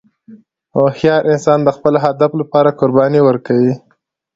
هوښیار انسان د خپل هدف لپاره قرباني ورکوي.